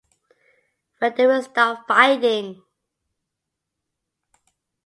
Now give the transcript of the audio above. When Do We Start Fighting...